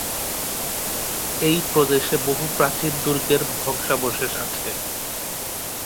এই প্রদেশে বহু প্রাচীন দুর্গের ধ্বংসাবশেষ আছে।